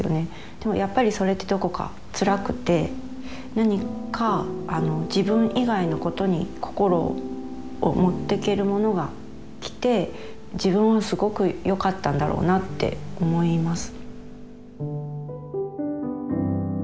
でもやっぱりそれってどこかつらくて何か自分以外のことに心を持ってけるものが来て自分もすごくよかったんだろうなって思います。